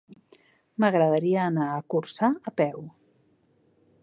M'agradaria anar a Corçà a peu.